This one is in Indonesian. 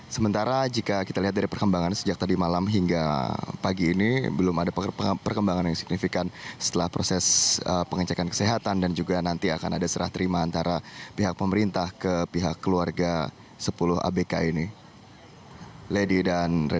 sementara jika kita lihat dari perkembangan sejak tadi malam hingga pagi ini belum ada perkembangan yang signifikan setelah proses pengecekan kesehatan dan juga nanti akan ada serah terima antara pihak pemerintah ke pihak keluarga sepuluh abk ini